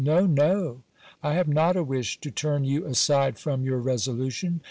No, no, I have not a wish to turn you aside from your resolution.